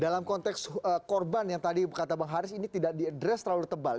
dalam konteks korban yang tadi kata bang haris ini tidak diadres terlalu tebal